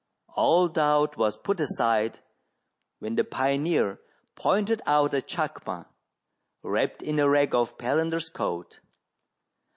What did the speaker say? All doubt was put aside when the pioneer pointed out a chacma wrapped in a rag of Palander's coat.